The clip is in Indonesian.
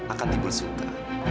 akan tibul suka